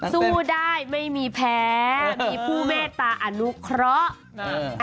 สู้ได้ไม่มีแพ้มีผู้เมตตาอนุเคราะห์นะ